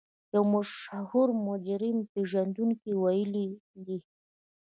يو مشهور مجرم پېژندونکي ويلي دي.